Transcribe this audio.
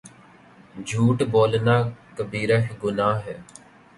جھوٹ بولنا کبیرہ گناہ ہے